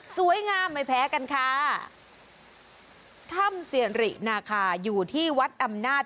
สวยงามไม่แพ้กันค่ะถ้ำสิรินาคาอยู่ที่วัดอำนาจ